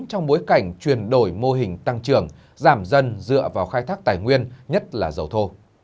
trong bối cảnh chuyển đổi mô hình tăng trưởng giảm dân dựa vào khai thác tài nguyên nhất là dầu thô